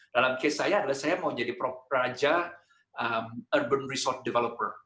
dalam case saya adalah saya mau jadi raja urban resort developer